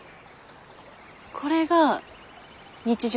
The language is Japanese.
これが日常